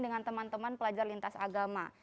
dengan teman teman pelajar lintas agama